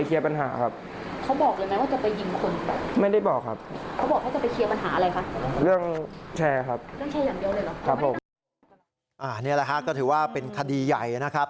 นี่แหละฮะก็ถือว่าเป็นคดีใหญ่นะครับ